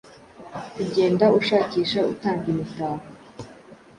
Kugenda ushakisha utanga imitako